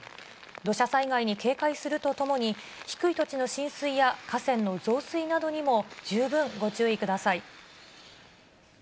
土砂災害に警戒するとともに、低い土地の浸水や河川の増水などにも十分ご注意ください。